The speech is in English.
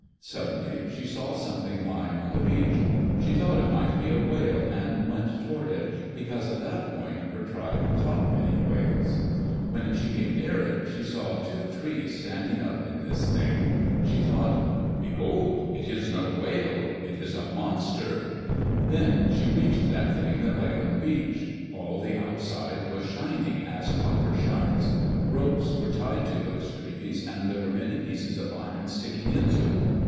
Suddenly she saw something lying on the beach. She thought it might be a whale and went toward it, because at that point her tribe caught many whales. When she came near it, she saw two trees standing up in this Thing. She thought: ''Behold I It is no whale I It is a monster I ^^ Then she reached that Thing Aat lay on the beach. All the outside was shining, as copper shines. Ropes were tied to those trees, and there were many pieces of iron sticking into it.